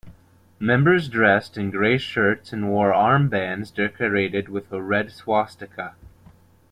Members dressed in grey shirts and wore armbands decorated with a red swastika.